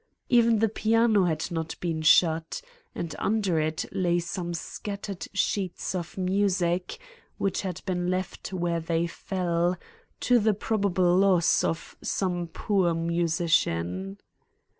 Even the piano had not been shut, and under it lay some scattered sheets of music which had been left where they fell, to the probable loss of some poor musician.